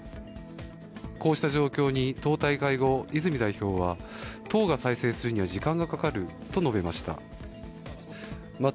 こうした状況に党大会後、泉代表は党が再生するには時間がかかると述べました。